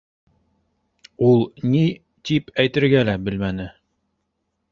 Ул ни тип әйтергә лә белмәне.